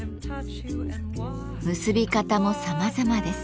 結び方もさまざまです。